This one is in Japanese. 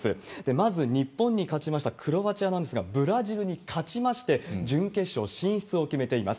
まず、日本に勝ちましたクロアチアなんですが、ブラジルに勝ちまして、準決勝進出を決めています。